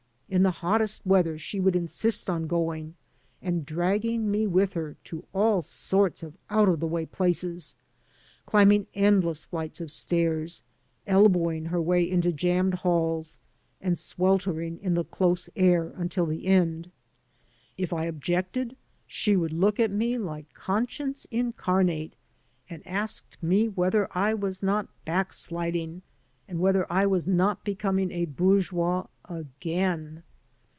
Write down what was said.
In the hottest weather she would insist on going, and dragging me with her, to all sorts of out of the way places, climbing endless flights of stairs, elbowing her way into jammed halls, and sweltering in the close air until the end. If I objected, she would look at me like Conscience incarnate and ask me whether I was not backsliding and whether I was not becoming a bourgeois ''again"!